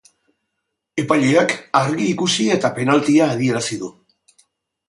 Epaileak argi ikusi eta penaltia adierazi du.